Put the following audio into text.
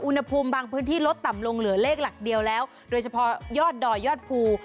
อุณหภูมิบางพื้นที่ลดต่ำลงเหลือเลขหลักเดียวแล้วโดยเฉพาะยอดดอยยอดภู